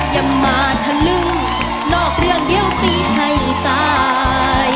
อย่ามาทะลึ่งนอกเรื่องเดียวสิให้ตาย